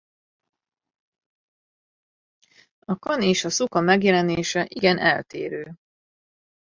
A kan és a szuka megjelenése igen eltérő.